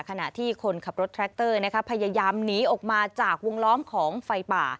ขณะที่คนขับรถแทรคเตอร์พยายามหนีออกมาจากวงล้อมของไฟป่า